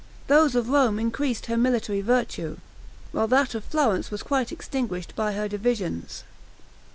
Those of Rome increased her military virtue, while that of Florence was quite extinguished by her divisions.